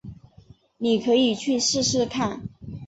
妳可以去试试看